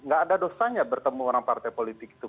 gak ada dosanya bertemu orang partai politik itu